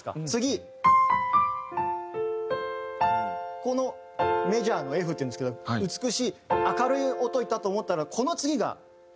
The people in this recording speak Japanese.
このメジャーのＦっていうんですけど美しい明るい音いったと思ったらこの次が。